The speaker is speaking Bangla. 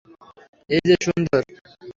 এই যে, সুন্দর।